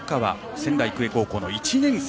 仙台育英高校の１年生。